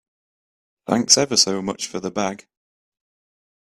Thanks ever so much for the bag.